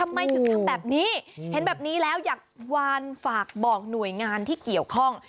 ทำไมถึงทำแบบนี้เห็นแบบนี้แล้วอยากวานฝากบอกหน่วยงานที่เกี่ยวข้อง